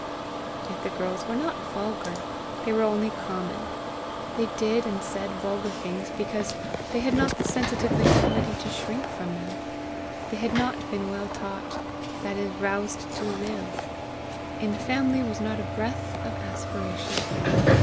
Yet the girls were not vulgar they were only common. They did and said vulgar things because they had not the sensitive vitality to shrink from them. They had not been well taught that is roused to LIVE: in the family was not a breath of aspiration.